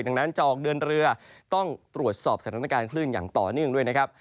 ดังนั้นจะออกเดินเรือต้องตรวจสอบสถานการณ์คลื่นอย่างต่อเนื่องด้วยนะครับ